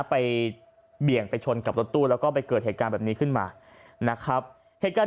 เบี่ยงไปชนกับรถตู้แล้วก็ไปเกิดเหตุการณ์แบบนี้ขึ้นมานะครับเหตุการณ์